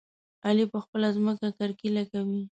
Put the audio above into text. علي په خپله ځمکه کرکيله کوي.